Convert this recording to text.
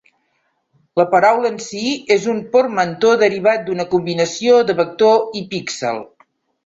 La paraula en si és un portmanteau derivat d'una combinació de "vector" i "píxel".